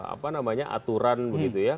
apa namanya aturan begitu ya